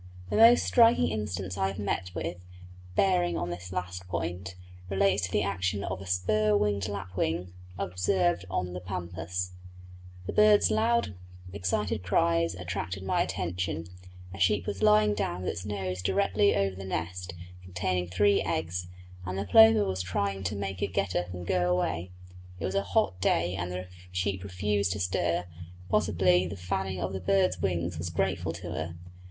The most striking instance I have met with, bearing on this last point, relates to the action of a spur winged lapwing observed on the Pampas. The bird's loud excited cries attracted my attention; a sheep was lying down with its nose directly over the nest, containing three eggs, and the plover was trying to make it get up and go away. It was a hot day and the sheep refused to stir; possibly the fanning of the bird's wings was grateful to her.